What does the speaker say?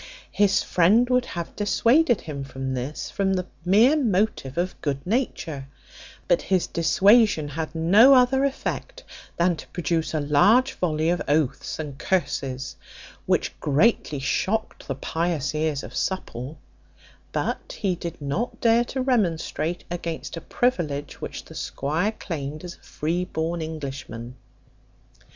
His friend would have dissuaded him from this, from the mere motive of good nature; but his dissuasion had no other effect than to produce a large volley of oaths and curses, which greatly shocked the pious ears of Supple; but he did not dare to remonstrate against a privilege which the squire claimed as a freeborn Englishman.